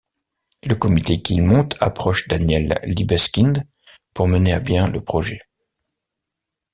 Le comité qu'il monte approche Daniel Libeskind pour mener à bien le projet.